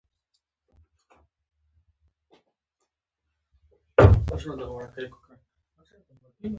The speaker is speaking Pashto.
دا ټول چېرې ورک دي، دوی یې د مقابلې هڅه نه کوي.